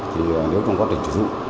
thì nếu trong quá trình sử dụng